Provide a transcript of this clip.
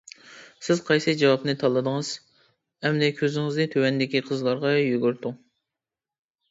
سىز قايسى جاۋابنى تاللىدىڭىز؟ ئەمدى كۆزىڭىزنى تۆۋەندىكى قىزلارغا يۈگۈرتۈڭ.